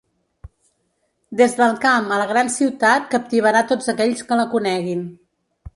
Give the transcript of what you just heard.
Des del camp a la gran ciutat, captivarà tots aquells que la coneguin.